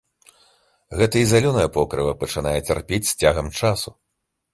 Гэта і зялёнае покрыва пачынае цярпець з цягам часу.